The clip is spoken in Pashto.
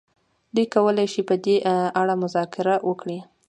دوی کولای شي په دې اړه مذاکره وکړي.